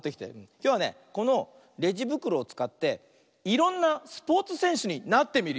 きょうはねこのレジぶくろをつかっていろんなスポーツせんしゅになってみるよ。